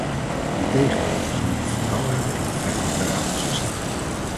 Integendeel, ze moeten vertrouwen hebben in het feit dat wij achter ze staan.